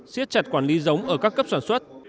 siết chặt quản lý giống ở các cấp sản xuất